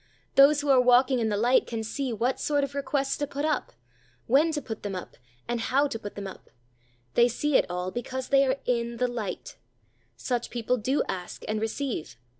Those who are walking in the light can see what sort of requests to put up, when to put them up, and how to put them up; they see it all, because they are in the light. Such people do ask, and receive.